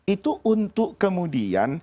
itu untuk kemudian